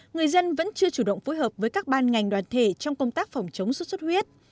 người dân vẫn chưa chủ động phối hợp với các ban ngành đoàn thể trong công tác phòng chống xuất xuất huyết